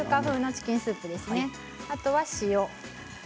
あとは、お塩。